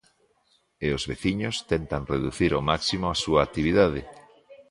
E os veciños tentan reducir ao máximo a súa actividade.